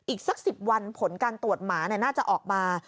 อีกสัก๑๐วันผลการตรวจหมาน่าจะออกมา